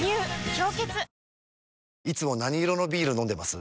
「氷結」いつも何色のビール飲んでます？